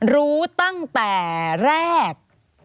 รู้ตั้งแต่แรก